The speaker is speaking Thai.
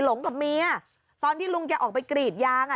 หลงกับเมียตอนที่ลุงแกออกไปกรีดยางอ่ะ